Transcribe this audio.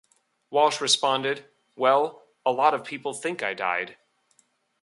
Walsh responded: Well, a lot of people think I died.